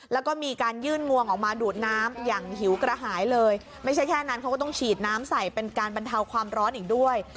แล้วก็มีการยื่นงวงออกมาดูดน้ำอย่างหิวกระหายเลยไม่ใช่แค่นั้นเขาก็ต้องฉีดน้ำใส่เป็นการบรรเทาความร้อนอีกด้วย